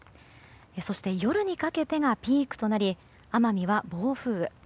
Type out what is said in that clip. そして、夜にかけてがピークとなり奄美は、暴風雨。